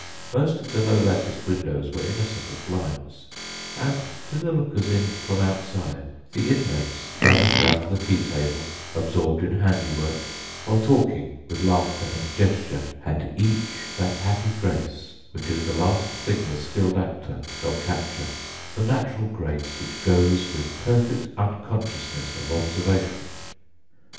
Most of the low latticed windows were innocent of blinds, and to the lookers in from outside, the inmates, gathered round the tea table, absorbed in handiwork, or talking with laughter and gesture, had each that happy grace which is the last thing the skilled actor shall capture—the natural grace which goes with perfect unconsciousness of observation.